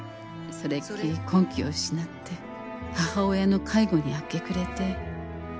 それっきり婚期を失って母親の介護に明け暮れて